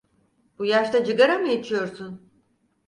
Bu yaşta cıgara mı içiyorsun?